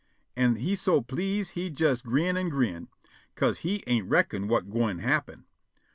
An' he so please' he jes grin' an' grin', 'ca'se he ain't reckon whut gwine happen.